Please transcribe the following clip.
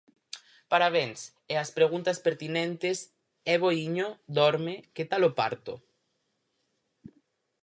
Parabéns e as preguntas pertinentes: "é boíño?", "dorme?", "que tal o parto?".